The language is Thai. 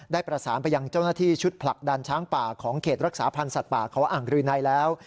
ได้ประสานไปยังเจ้าหน้าที่ชุดผลักดันช้างป่าของเขตรักษาพันธ์สัตว์ป่าเขาอ่างรืนัยแล้ว